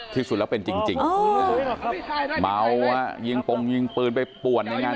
ที่สุดแล้วเป็นจริงเมาฮะยิงปงยิงปืนไปป่วนในงาน